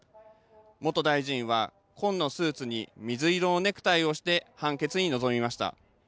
元大臣は紺のスーツに水色のネクタイをして判決に臨みました。